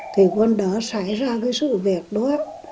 thì con đó xảy ra cái sự việc đó